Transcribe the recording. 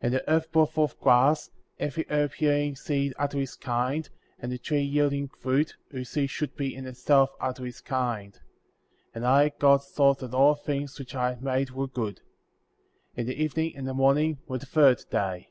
12. And the earth brought forth grass, every herb yielding seed after his kind, and the tree yielding fruit, whose seed should be in itself, after his kind ; and I, God, saw that all things which I had made were good;* 13. And th^ evening and the morning were the third day.